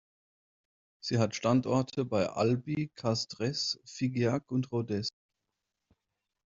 Sie hat Standorte in Albi, Castres, Figeac und Rodez.